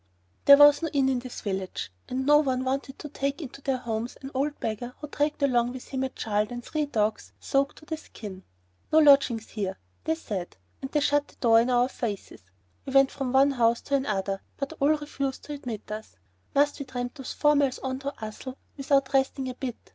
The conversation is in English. There was no inn in this village and no one wanted to take into their homes an old beggar who dragged along with him a child and three dogs, soaked to the skin. "No lodgings here," they said. And they shut the door in our faces. We went from one house to another, but all refused to admit us. Must we tramp those four miles on to Ussel without resting a bit?